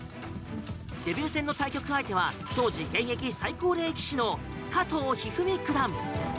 デビュー戦の対局相手は当時現役最高齢棋士の加藤一二三九段。